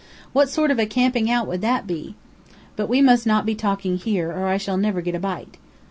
"What sort of a camping out would that be? But we must not be talking here or I shall never get a bite.